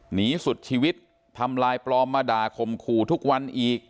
หนีสุดชีวิตทำลายปลอมมาด่าข่มขู่ทุกวันอีก